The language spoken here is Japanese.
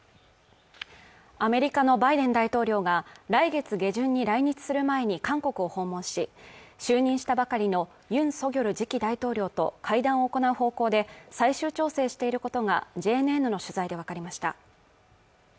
アメリカのバイデン大統領が来月下旬に来日する前に韓国を訪問し就任したばかりのユン・ソギョル次期大統領と会談を行う方向で最終調整していることがＪＮＮの取材で分かりました